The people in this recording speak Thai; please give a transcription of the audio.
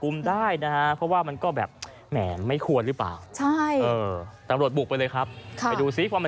แม่ไม่ควรรึเปล่า